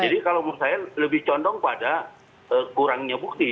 jadi kalau menurut saya lebih condong pada kurangnya bukti